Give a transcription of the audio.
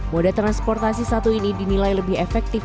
moda transportasi satu ini dinilai lebih efektif